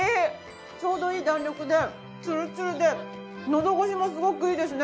ちょうどいい弾力でツルツルでのどごしもすごくいいですね。